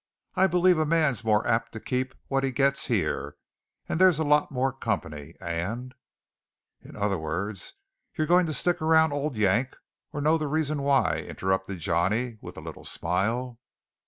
I believe a man's more apt to keep what he gets here, and there's a lot more company, and " "In other words, you're going to stick around old Yank or know the reason why!" interrupted Johnny with a little smile.